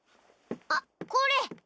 あっこれ！